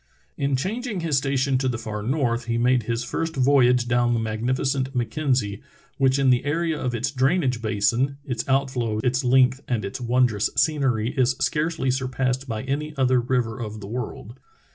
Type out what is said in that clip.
In changing his station to the far north he made his first voyage down the magnificent Mackenzie, which in Peti tot's Trail, C/{£AT3tA /ranA/Za Liverpool Bay Region. the area of its drainage basin, its outflow, its length, and its wondrous scenery is scarcely surpassed by any other river of the world.